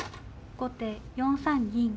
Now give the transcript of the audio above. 後手４三銀。